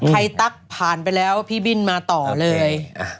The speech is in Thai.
ตั๊กผ่านไปแล้วพี่บินมาต่อเลย